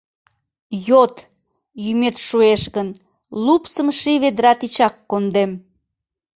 Йод, йӱмет шуэш гын — Лупсым ший ведра тичак кондем.